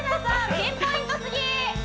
ピンポイントすぎ！